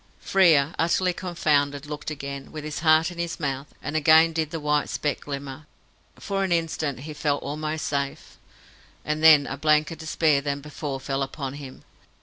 Frere, utterly confounded, looked again, with his heart in his mouth, and again did the white speck glimmer. For an instant he felt almost safe, and then a blanker despair than before fell upon him.